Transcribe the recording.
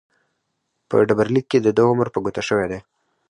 په ډبرلیک کې دده عمر په ګوته شوی دی.